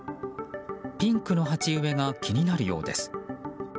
ピンクの鉢植えが気になるようです。